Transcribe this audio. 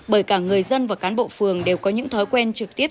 bởi cả người dân và cán bộ phường đều có những thói quen trực tiếp